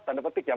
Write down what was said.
tanda petik ya